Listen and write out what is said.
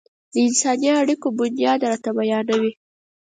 د انساني اړيکو بنياد راته بيانوي.